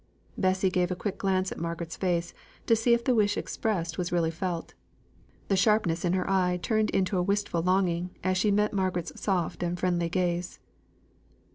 Bessy gave a quick glance at Margaret's face, to see if the wish expressed was really felt. The sharpness in her eye turned to a wistful longing as she met Margaret's soft and friendly gaze.